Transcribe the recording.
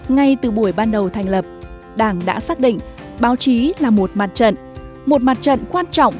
ngay từ buổi ban đầu thành lập đảng đã xác định báo chí là một mặt trận một mặt trận quan trọng